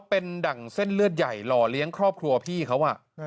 เป็นดั่งเส้นเลือดใหญ่หล่อเลี้ยงครอบครัวพี่เขา